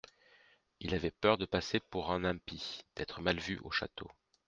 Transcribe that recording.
Il avait peur de passer pour un impie, d'être mal vu au château.